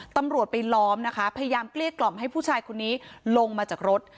ตำรวจไปล้อมนะคะพยายามเกลี้ยกล่อมให้ผู้ชายคนนี้ลงมาจากรถ